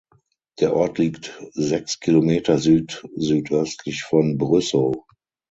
Der Ort liegt sechs Kilometer südsüdöstlich von Brüssow.